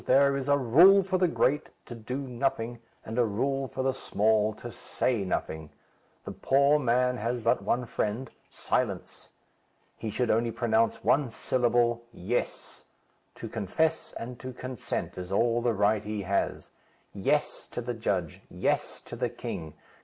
There is a rule for the great to do nothing; and a rule for the small to say nothing. The poor man has but one friend, silence. He should only pronounce one syllable: 'Yes.' To confess and to consent is all the right he has. 'Yes,' to the judge; 'yes,' to the king.